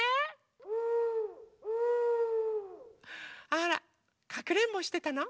あらかくれんぼしてたの？